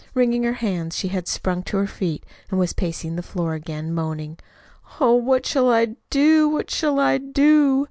Wringing her hands she had sprung to her feet and was pacing the floor again, moaning: "Oh, what shall I do, what shall I do?"